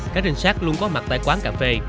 các đình xác luôn có mặt tại quán cà phê